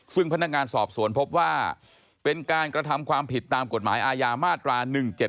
ซึ่งพนักงานสอบสวนพบว่าเป็นการกระทำความผิดตามกฎหมายอาญามาตรา๑๗๗